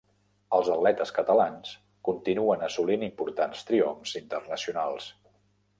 Els atletes catalans continuen assolint importants triomfs internacionals.